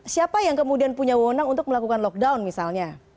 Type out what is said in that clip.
siapa yang kemudian punya wonang untuk melakukan lockdown misalnya